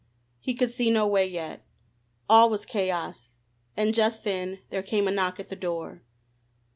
He could see no way yet. All was chaos. And just then there came a knock at the door.